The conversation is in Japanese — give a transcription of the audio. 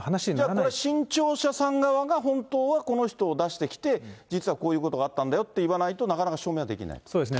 これ、新潮社さん側が、本当はこの人を出してきて、実はこういうことがあったんだよって言わないと、そうですね。